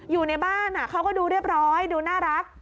อยู่ในบ้านเขาก็ดูเรียบร้อยดูน่ารัก